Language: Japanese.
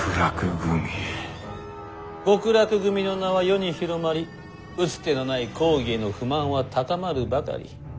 極楽組の名は世に広まり打つ手のない公儀への不満は高まるばかり。